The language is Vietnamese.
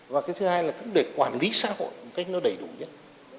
và cái thứ hai là cũng để quản lý xã hội một cách nó đầy đủ nhất